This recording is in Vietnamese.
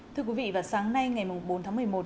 thưa quý vị vào sáng nay ngày bốn tháng một mươi một